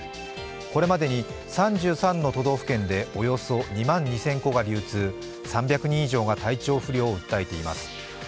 これまでに３３の都道府県でおよそ２万２０００個が流通、３００人以上が体調不良を訴えています。